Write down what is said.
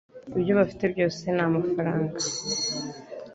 ibyo bafite byose ni amafaranga.